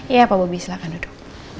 iya pak bobby silakan duduk